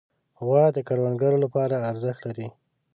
غوا د کروندګرو لپاره ارزښت لري.